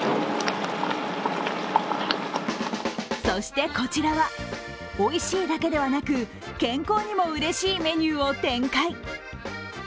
そして、こちらはおいしいだけではなく健康にもうれしいメニューを展開。